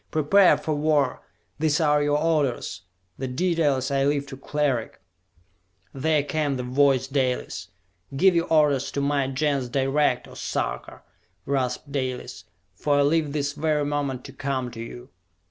Prepare for war! These are your orders; the details I leave to Cleric!" There came the voice Dalis. "Give your orders to my Gens direct, O Sarka!" rasped Dalis. "For I leave this very moment to come to you!"